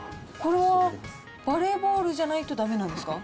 これはバレーボールじゃないとだめなんですか？